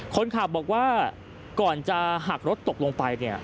คนขับบอกว่าก่อนจะหักรถตกลงไปเนี่ย